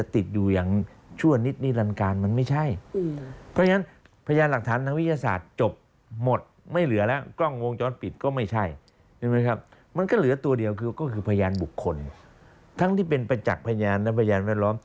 ทั้งที่เป็นประจักษ์พยานร้านวงพยาบาล